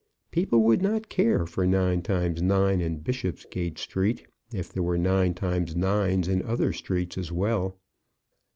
People would not care for nine times nine in Bishopsgate Street, if there were nine times nines in other streets as well.